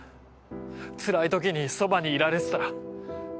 つらい時にそばにいられてたら。